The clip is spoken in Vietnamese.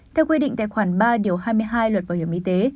theo quy định tại khoảng ba hai mươi hai luật bảo hiểm y tế